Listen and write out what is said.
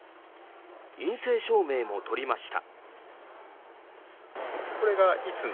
陰性証明も取りました。